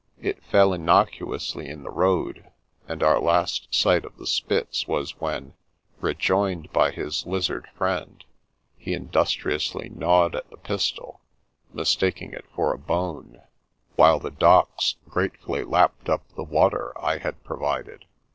It fell innocuously in the road and our last sight of the Spitz was when, re joined by his lizard friend, he industriously gnawed at the pistol, mistaking it for a bone, while the Dachs gratefully lapped up the water I had provided.